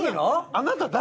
あなた誰？